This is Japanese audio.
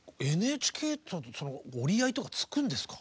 ＮＨＫと折り合いとかつくんですか？